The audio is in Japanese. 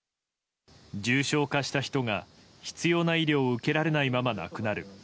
重症化した人が必要な医療を受けられないまま亡くなる。